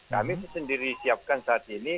kami sendiri siapkan saat ini